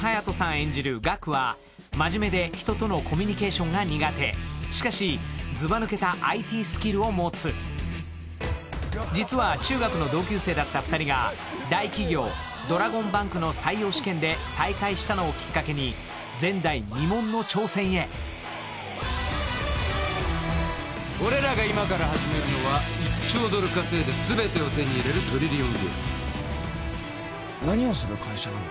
演じるガクは真面目で人とのコミュニケーションが苦手しかしずば抜けたＩＴスキルを持つ実は中学の同級生だった２人が大企業ドラゴンバンクの採用試験で再会したのをきっかけに前代未聞の挑戦へ俺らが今から始めるのは１兆ドル稼いで全てを手に入れるトリリオンゲーム何をする会社なの？